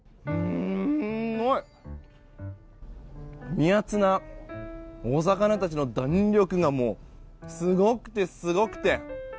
身厚なお魚たちが弾力がすごくて、すごくて！